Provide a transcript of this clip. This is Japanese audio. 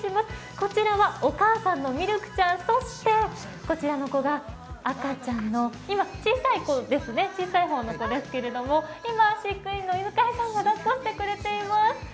こちらはお母さんのミルクちゃん、こちらの子が赤ちゃんの、小さい方の子ですけれども、今、飼育員の犬飼さんがだっこしてくれています。